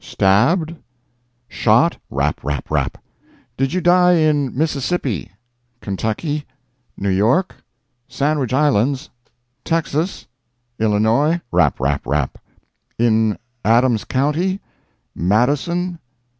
—stabbed?—shot?" "Rap, rap, rap." "Did you die in Mississippi?—Kentucky?—New York?—Sandwich Islands?—Texas?—Illinois?—" "Rap, rap, rap." "In Adams county?—Madison?